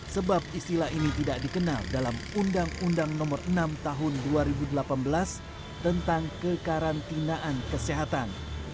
sebab istilah ini tidak dikenal dalam undang undang nomor enam tahun dua ribu delapan belas tentang kekarantinaan kesehatan